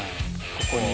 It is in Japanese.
ここに。